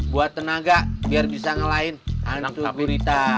buat tenaga biar bisa ngelain gurita